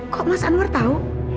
kok mas anwar tahu